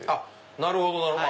なるほどなるほど。